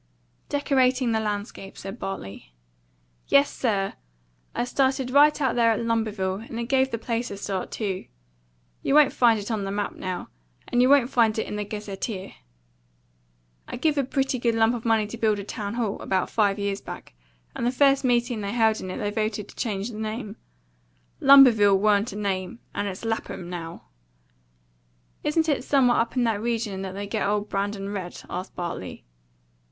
"Decorating the landscape," said Bartley. "Yes, sir; I started right there at Lumberville, and it give the place a start too. You won't find it on the map now; and you won't find it in the gazetteer. I give a pretty good lump of money to build a town hall, about five years back, and the first meeting they held in it they voted to change the name, Lumberville WA'N'T a name, and it's Lapham now." "Isn't it somewhere up in that region that they get the old Brandon red?" asked Bartley.